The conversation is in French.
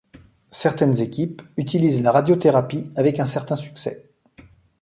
Certaines équipes utilisent la radiothérapie avec un certain succès.